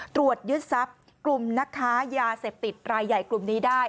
ตรวจยึดทรัพย์กลุ่มนักค้ายาเสพติดรายใหญ่กลุ่มนี้ได้